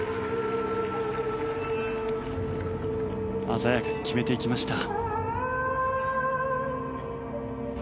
鮮やかに決めていきました。